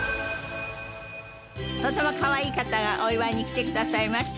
とてもかわいい方がお祝いに来てくださいました。